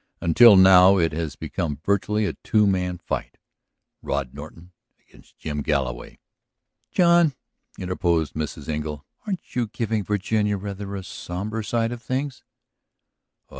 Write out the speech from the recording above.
Until now it has become virtually a two man fight. Rod Norton against Jim Galloway. ..." "John," interposed Mrs. Engle, "aren't you giving Virginia rather a sombre side of things?"